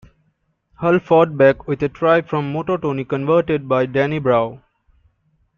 Hull fought back with a try from Motu Tony converted by Danny Brough.